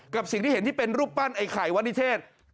กับสิ่งที่เห็นที่เป็นรูปปั้นไอ้ไข่วัดนิเทศ